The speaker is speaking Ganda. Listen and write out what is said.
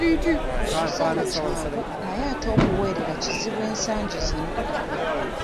Okuzaala kyangu naye ate okuweerera kizibu ensangi zino.